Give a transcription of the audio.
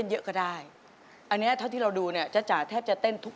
จักรยานสีแดง